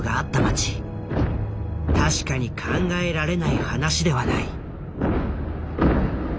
確かに考えられない話ではない。